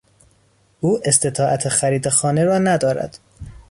او استطاعت خرید خانه را ندارد.